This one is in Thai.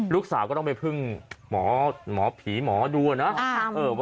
ลูกสาวก็ต้องไปพึ่งหมอผีหมอดูนะ